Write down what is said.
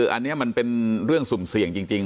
อันนี้มันเป็นเรื่องสุ่มเสี่ยงจริง